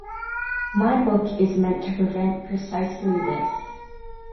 My book is meant to prevent precisely this.